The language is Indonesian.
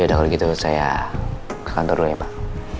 yaudah kalau gitu saya ke kantor dulu ya pak